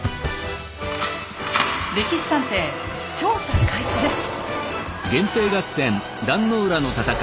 「歴史探偵」調査開始です。